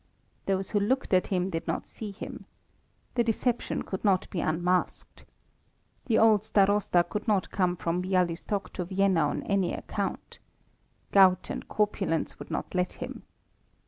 Those who looked at him did not see him. The deception could not be unmasked. The old Starosta could not come from Bialystok to Vienna on any account. Gout and corpulence would not let him.